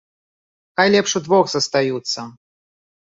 Хай лепш удвох застаюцца!